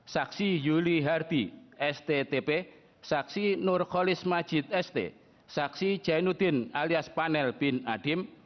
saksi yuli hardy sttp saksi nurholis majid st saksi jainuddin alias panel bin adim